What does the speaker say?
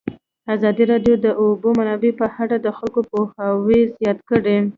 ازادي راډیو د د اوبو منابع په اړه د خلکو پوهاوی زیات کړی.